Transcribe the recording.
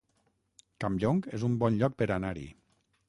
Campllong es un bon lloc per anar-hi